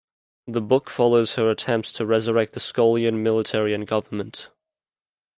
The book follows her attempts to resurrect the Skolian military and government.